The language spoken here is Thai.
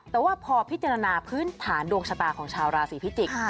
แต่ว่าพอพิจารณาพื้นฐานดวงชะตาของชาวราศีพิจิกษ์